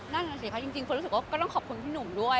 นั่นน่ะสิคะจริงเฟิร์นรู้สึกว่าก็ต้องขอบคุณพี่หนุ่มด้วย